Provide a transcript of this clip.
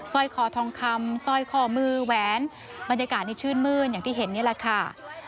ร้อยคอทองคำสร้อยคอมือแหวนบรรยากาศนี้ชื่นมื้นอย่างที่เห็นนี่แหละค่ะ